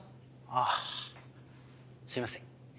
あぁすいません。